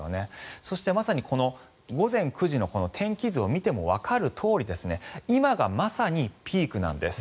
そして、まさに午前９時の天気図を見てもわかるとおり今がまさにピークなんです。